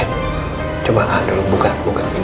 ya coba dulu buka buka